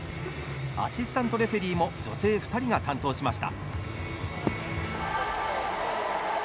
アシスタントレフェリーも女性２人が担当しました。